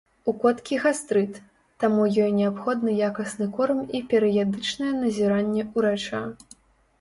У коткі гастрыт, таму ёй неабходны якасны корм і перыядычнае назіранне ўрача.